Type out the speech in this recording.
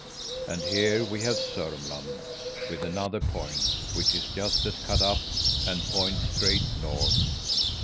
And here we have Sörmland with another point, which is just as cut up and points straight north.